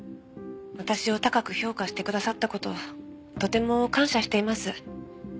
私を高く評価してくださった事とても感謝しています。